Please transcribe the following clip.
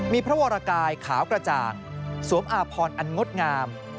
มีพระวรกายขาวกระจ่างสวมอาพรอันงดงาม